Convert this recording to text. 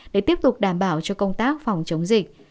để tiếp tục đảm bảo cho công tác phòng chống dịch